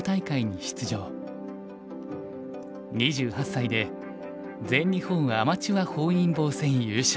２８歳で全日本アマチュア本因坊戦優勝。